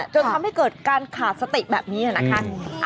จนทำให้เกิดการขาดสติแบบนี้นะคะ